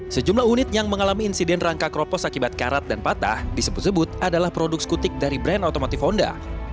sejumlah unit yang mengalami insiden rangka keropos akibat karat dan patah disebut sebut adalah produk skutik dari brand otomotif honda